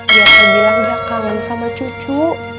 dia bilang dia kangen sama cucu